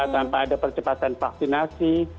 tanpa ada percepatan vaksinasi